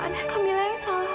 kak mila yang salah